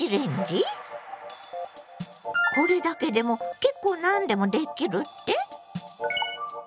これだけでも結構何でもできるって？